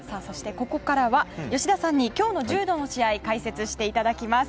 ここからは吉田さんに今日の柔道の試合を解説していただきます。